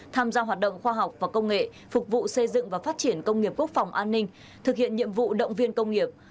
tham gia hoạt động khoa học và công nghệ phục vụ xây dựng và phát triển công nghiệp quốc phòng an ninh thực hiện nhiệm vụ động viên công nghiệp